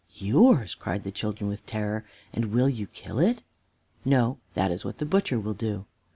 "Yours!" cried the children with terror; "and will you kill it?" "No, that is what the butcher will do."